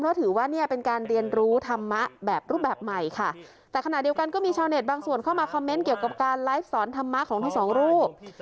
เพราะถือว่าเนี่ยเป็นการเรียนรู้ธรรมะแบบรูปแบบใหม่ค่ะแต่ขณะเดียวกันก็มีชาวเน็ตบางส่วนเข้ามาคอมเมนต์เกี่ยวกับการไลฟ์สอนธรรมะของทั้งสองรูป